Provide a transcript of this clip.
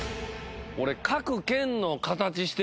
俺。